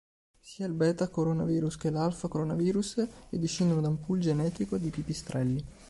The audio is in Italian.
Sia il beta-coronavirus che l'alfa-coronavirus e discendono da un pool genetico di pipistrelli.